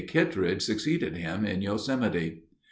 Kittredge succeeded him in Yosemite.